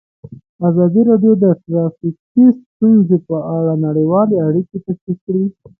ازادي راډیو د ټرافیکي ستونزې په اړه نړیوالې اړیکې تشریح کړي.